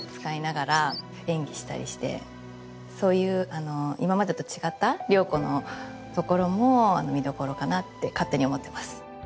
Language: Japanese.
演技したりしてそういう今までと違った遼子のところも見どころかなって勝手に思ってます。